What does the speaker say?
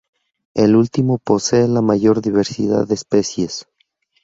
Este último posee la mayor diversidad de especies.